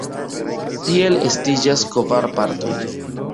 Tiel estiĝas kvar partoj.